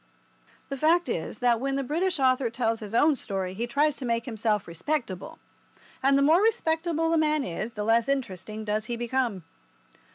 The fact is that when the British author tells his own story he tries to make himself respectable, and the more respectable a man is the less interesting does he become.